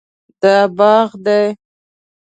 دا باغ دی